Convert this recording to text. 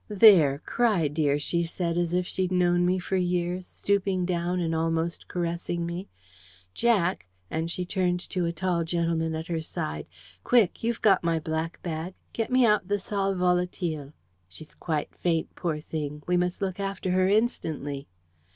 "There cry, dear," she said, as if she'd known me for years, stooping down and almost caressing me. "Jack," and she turned to a tall gentleman at her side, "quick! you've got my black bag; get me out the sal volatile. She's quite faint, poor thing; we must look after her instantly."